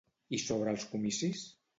I sobre els comicis?